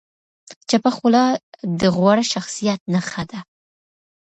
چپه خوله، د غوره شخصیت نښه ده.